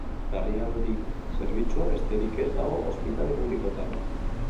Larrialdi zerbitzua besterik ez dago ospitale publikoetan.